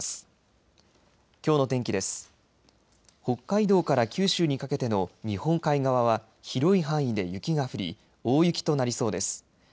北海道から九州にかけての日本海側は広い範囲で雪が降り大雪となりそうです。